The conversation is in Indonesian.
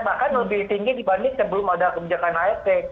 bahkan lebih tinggi dibanding sebelum ada kebijakan aet